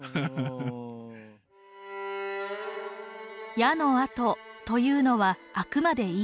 矢の跡というのはあくまで言い伝え。